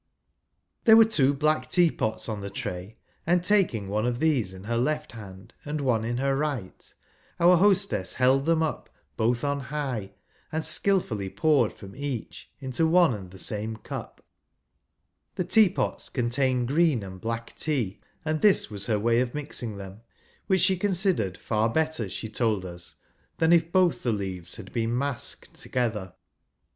There were two black teapots on the tray, and taking one of these in her left hand, and one in her right, our hostess held them up both on high, and skilfully poured from each into one and the same cup ; the teapots contained gi'een and black tea ; and this was her way of mixing them, which she considered far better, she told us, than if both the leaves had been " masked " together.